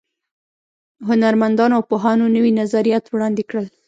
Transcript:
هنرمندانو او پوهانو نوي نظریات وړاندې کړل.